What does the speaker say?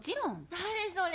誰それ。